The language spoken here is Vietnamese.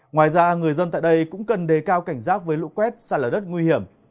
ngoài ra người dân tại đây cũng cần đề cao cảnh giác với lũ quét xa lở đất nguy hiểm